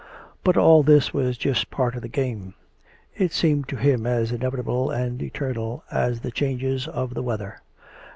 But all this was just part of the game. It seemed to him as inevitable and eternal as the changes of the weather.